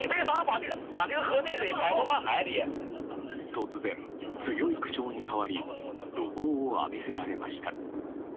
突然、強い口調に変わり怒号を浴びせられました。